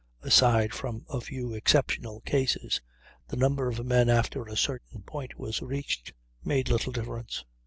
Aside from a few exceptional cases, the number of men, after a certain point was reached, made little difference.